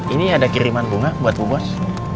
ini ada kiriman bunga buat bu bos